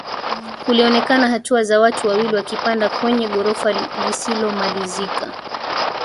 Kulionekana hatua za watu wawili wakipanda kwenye gorofa lisilomalizika